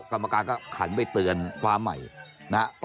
กรรมการก็หันไปเตือนฟ้าใหม่นะครับ